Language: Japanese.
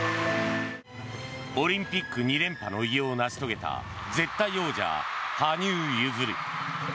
オリンピック２連覇の偉業を成し遂げた絶対王者、羽生結弦。